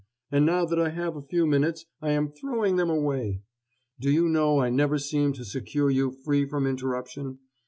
And now that I have a few minutes, I am throwing them away. Do you know, I never seem to secure you free from interruption.